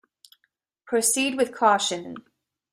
Proceed with caution.